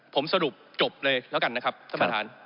ผมสรุปจบเลยแล้วกันนะครับท่านประธาน